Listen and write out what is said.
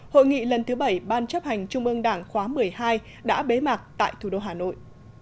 hội nghị lần thứ bảy ban chấp hành trung ương đảng khóa một mươi hai đã bế mạc tại thủ đô hà nội